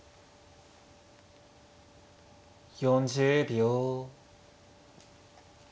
４０秒。